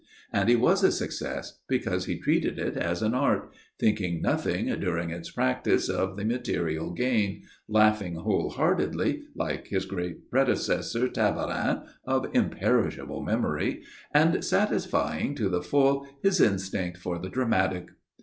And he was a success because he treated it as an art, thinking nothing during its practice of the material gain, laughing whole heartedly, like his great predecessor Tabarin of imperishable memory, and satisfying to the full his instinct for the dramatic.